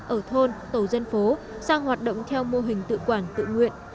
ở thôn tổ dân phố sang hoạt động theo mô hình tự quản tự nguyện